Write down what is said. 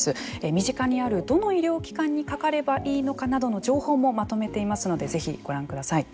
身近にある、どの医療機関にかかればいいのかなどの情報もまとめていますのでぜひご覧ください。